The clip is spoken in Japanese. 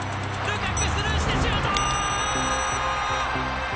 ルカクスルーしてシュート！